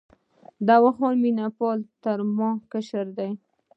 دوا خان مینه پال تر ما کشر دی.